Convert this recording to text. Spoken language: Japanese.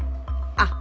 あっ。